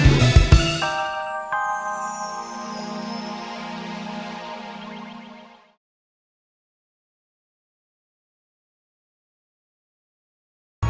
aku sudah di lubang reacting saja